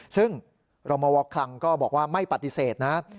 ซึ่งเรามาวอกคลังก็บอกว่าไม่ปฏิเสธนะครับ